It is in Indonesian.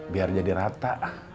biar jadi rata